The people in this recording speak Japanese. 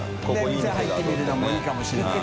店入ってみるのもいいかもしれない。